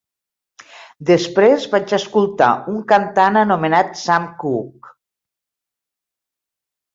Després vaig escoltar un cantant anomenat Sam Cooke.